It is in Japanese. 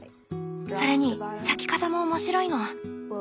それに咲き方も面白いの。